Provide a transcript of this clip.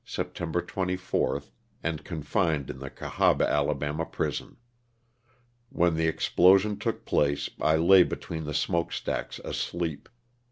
Sep tember 24th and confined in the Oahaba, Ala., prison. When the explosion took place I lay between the smoke stacks asleep.